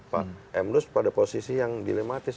pak emnus pada posisi yang dilematis